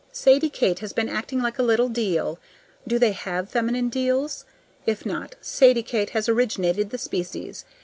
Sadie Kate has been acting like a little deil do they have feminine deils? If not, Sadie Kate has originated the species.